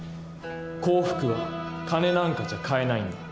幸福は金なんかじゃ買えないんだ。